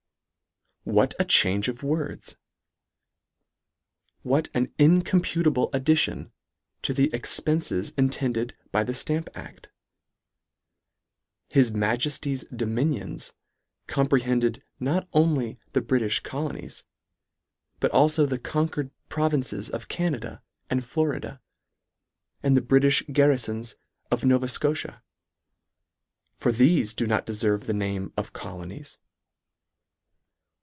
What a change of words ! What an incom putable addition to the expences intended by the Stamp a<fl !" His Majefty's dominions " comprehended not only the Britiih colonies ; but alfo the conquered provinces of Canada and Florida, and the Britiih garrifons of Nova Scotia ; for thefe do not deferve the name of colonies.